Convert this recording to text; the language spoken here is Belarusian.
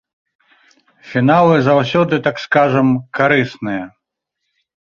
Фіналы заўсёды, так скажам, карысныя.